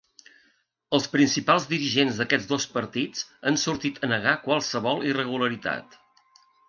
Els principals dirigents d’aquests dos partits han sortit a negar qualsevol irregularitat.